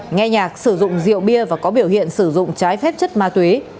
nghe nhạc sử dụng rượu bia và có biểu hiện sử dụng trái phép chất ma túy